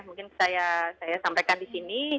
mungkin saya sampaikan di sini